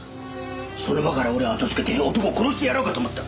その場から俺はあとをつけて男を殺してやろうかと思った。